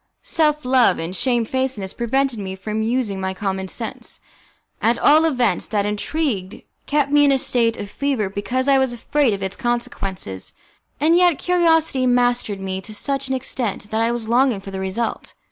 Self love and shamefacedness prevented me from using my common sense. At all events, that intrigue kept me in a state of fever because I was afraid of its consequences, and yet curiosity mastered me to such an extent that I was longing for the result.